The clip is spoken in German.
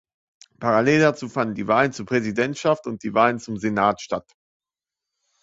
Parallel dazu fanden die Wahlen zur Präsidentschaft und die Wahlen zum Senat statt.